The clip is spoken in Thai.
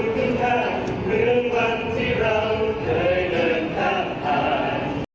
โปรดติดตามตอนต่อไป